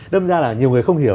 đâm ra là nhiều người không hiểu